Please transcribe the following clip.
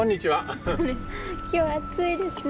今日は暑いですね。